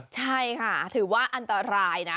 ใช่ค่ะถือว่าอันตรายนะ